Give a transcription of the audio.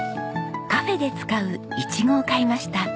カフェで使うイチゴを買いました。